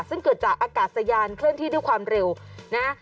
ซึ่งเกิดจากอากาศยานเคลื่อนที่ด้วยความเร็วนะ